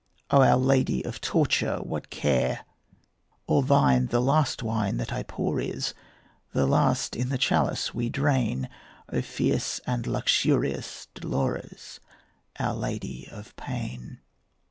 O our Lady of Torture, what care? All thine the last wine that I pour is, The last in the chalice we drain, O fierce and luxurious Dolores, Our Lady of Pain.